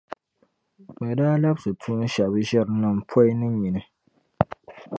Bɛ daa labsi tuun’ shεba ʒirinim’ poi ni nyini.